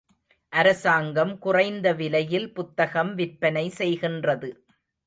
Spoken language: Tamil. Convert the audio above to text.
அரசாங்கம் குறைந்த விலையில் புத்தகம் விற்பனை செய்கின்றது.